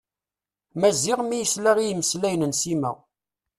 Maziɣ mi yesla i yimeslayen n Sima.